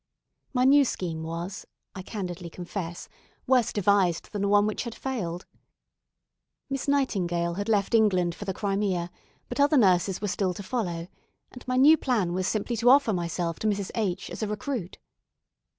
My new scheme was, I candidly confess, worse devised than the one which had failed. Miss Nightingale had left England for the Crimea, but other nurses were still to follow, and my new plan was simply to offer myself to Mrs. H as a recruit.